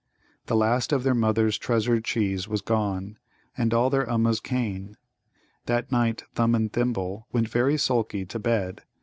The last of their mother's treasured cheese was gone, and all their Ummuz cane. That night Thumb and Thimble went very sulky to bed.